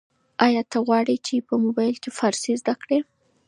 ایا ته غواړې چي په موبایل کي فارسي زده کړې؟